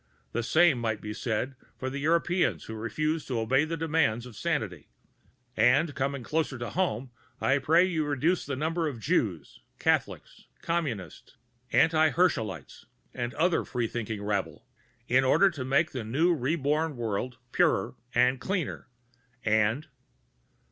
The same might be said of the Europeans who refuse to obey the demands of sanity; and, coming closer to home, I pray you reduce the numbers of Jews, Catholics, Communists, anti Herschelites, and other freethinking rabble, in order to make the new reborn world purer and cleaner and